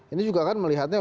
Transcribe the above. ini juga kan melihatnya